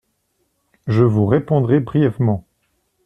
Je vous répondrai brièvement.